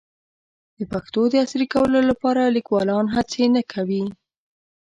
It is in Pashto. د پښتو د عصري کولو لپاره لیکوالان هڅې نه کوي.